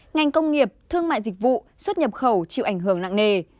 ngành công nghiệp thương mại dịch vụ xuất nhập khẩu chịu ảnh hưởng nặng nề